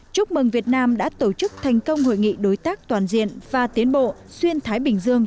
chúc mừng việt nam đã tổ chức thành công hội nghị đối tác toàn diện và tiến bộ xuyên thái bình dương